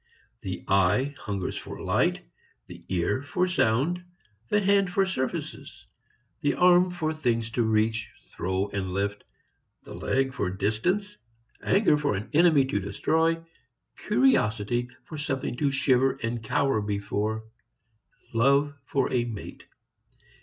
The eye hungers for light, the ear for sound, the hand for surfaces, the arm for things to reach, throw and lift, the leg for distance, anger for an enemy to destroy, curiosity for something to shiver and cower before, love for a mate.